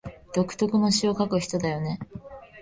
独特の詩を書く人だよね